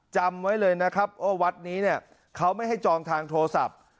จำไว้เลยนะครับว่าวัดนี้เนี่ยเขาไม่ให้จองทางโทรศัพท์